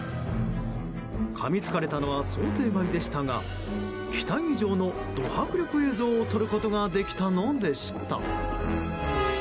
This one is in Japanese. かみつかれたのは想定外でしたが期待以上のド迫力映像を撮ることができたのでした。